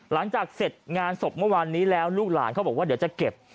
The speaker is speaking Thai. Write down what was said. หลังจากเสร็จงานศพเมื่อวานนี้แล้วลูกหลานเขาบอกว่าเดี๋ยวจะเก็บ